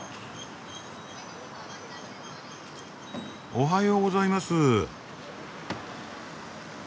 おはようございます。